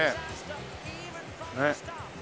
ねっ。